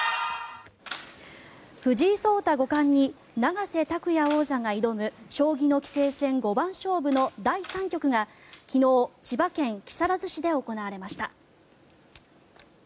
藤井聡太五冠に永瀬拓矢王座が挑む将棋の棋聖戦五番勝負の第３局が昨日、千葉県木更津市で行われました。